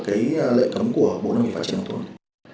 cái lệnh cấm của bộ nông nghiệp và phát triển nông thôn